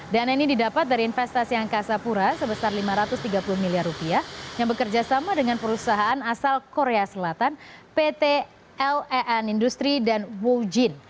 dan ini didapat dari investasi angkasapura sebesar lima ratus tiga puluh miliar rupiah yang bekerja sama dengan perusahaan asal korea selatan pt len industri dan wojin